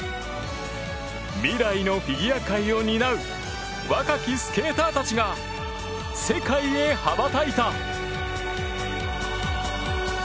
未来のフィギュア界を担う若きスケーターたちが世界へ羽ばたいた。